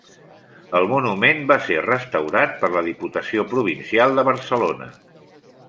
El monument va ser restaurat per la Diputació Provincial de Barcelona.